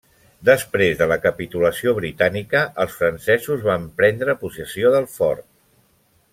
Després de la capitulació britànica, els francesos van prendre possessió del fort.